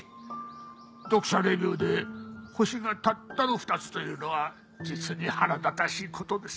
読者レビューで星がたったの２つというのは実に腹立たしい事です。